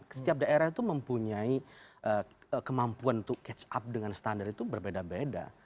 setiap daerah itu mempunyai kemampuan untuk catch up dengan standar itu berbeda beda